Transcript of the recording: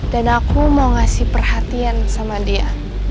dan aku mau ngasih perhatian sama dia